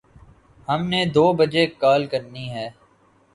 ہم نے دو بجے کال کرنی ہے